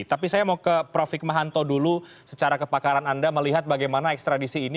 tapi saya mau ke prof hikmahanto dulu secara kepakaran anda melihat bagaimana ekstradisi ini